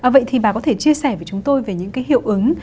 vậy thì bà có thể chia sẻ với chúng tôi về những cái hiệu ứng